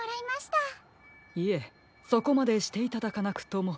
いえそこまでしていただかなくとも。